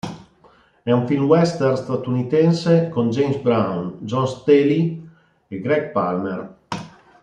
È un film western statunitense con James Brown, Joan Staley e Gregg Palmer.